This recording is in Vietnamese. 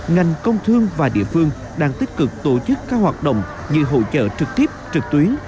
ngành công thương và địa phương đang tích cực tổ chức các hoạt động như hỗ trợ trực tiếp trực tuyến